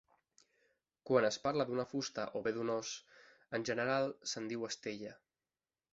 Quan es parla d'una fusta o bé d'un os, en general se'n diu estella.